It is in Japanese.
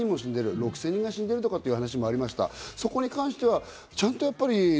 ６０００人が死んでるって話もありました。